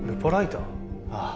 ああ。